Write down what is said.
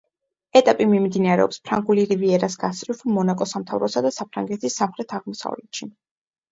ეტაპი მიმდინარეობს ფრანგული რივიერას გასწვრივ, მონაკოს სამთავროსა და საფრანგეთის სამხრეთ-აღმოსავლეთში.